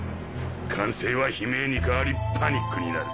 歓声は悲鳴に変わりパニックになる。